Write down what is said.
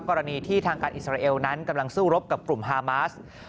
กรณีที่ทางการอิสราเอลนั้นกำลังสู้รบกับกลุ่มฮามาส